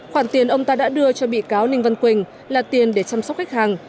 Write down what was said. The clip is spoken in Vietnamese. khoản tiền ông ta đã đưa cho bị cáo ninh văn quỳnh là tiền để chăm sóc khách hàng